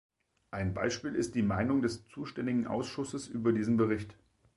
Ein Beispiel ist die Meinung des zuständigen Ausschusses über diesen Bericht.